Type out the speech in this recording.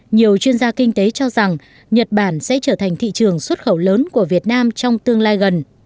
nhiều chuyên gia kinh tế cho rằng nhật bản sẽ trở thành thị trường xuất khẩu lớn của việt nam trong tương lai gần